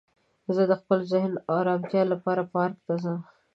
زه د خپل ذهن ارامتیا لپاره پارک ته ځم